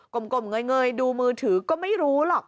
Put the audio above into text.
กลมเงยดูมือถือก็ไม่รู้หรอก